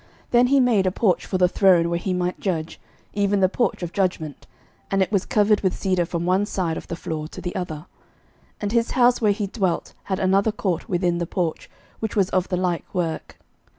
11:007:007 Then he made a porch for the throne where he might judge, even the porch of judgment: and it was covered with cedar from one side of the floor to the other. 11:007:008 And his house where he dwelt had another court within the porch, which was of the like work.